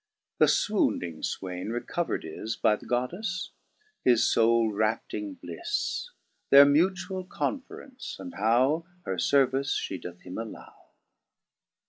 The Jwoundittg Jwaine recovered is By tb* goddejfe; his fouk rapting hlijfe i Their mutual conference^ and haw Her fervice Jhe doth him allow.